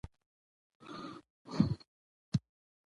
چې هغه وخت رسنۍ، سوشل میډیا